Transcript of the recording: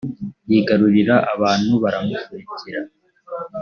yigarurira abantu baramukurikira.